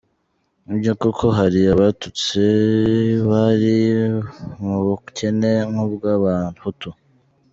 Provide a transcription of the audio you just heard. Ni byo koko ko hari abatutsi bari mu bukene nk’ubw’abahutu.